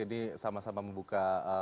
ini sama sama membuka